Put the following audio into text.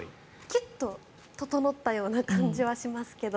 キュッと整ったような感じがしますけど。